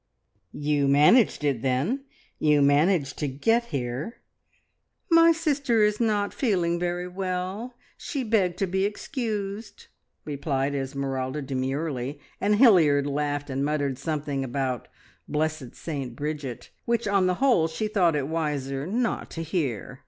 "You managed it, then? You managed to get here?" "My sister is not feeling very well. She begged to be excused," replied Esmeralda demurely, and Hilliard laughed and muttered something about "blessed Saint Bridget," which on the whole she thought it wiser not to hear.